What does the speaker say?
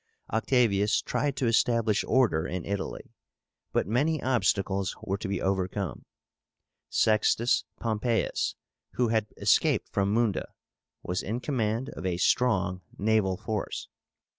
Octavius tried to establish order in Italy, but many obstacles were to be overcome. Sextus Pompeius, who had escaped from Munda, was in command of a strong naval force.